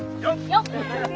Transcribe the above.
よっ！